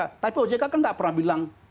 tetapi ojk kan tidak pernah bilang